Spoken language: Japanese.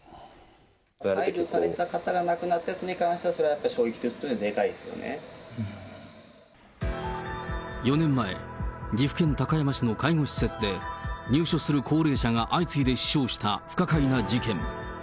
介助された方が亡くなったことに関しては、それは衝撃として４年前、岐阜県高山市の介護施設で、入所する高齢者が相次いで死傷した不可解な事件。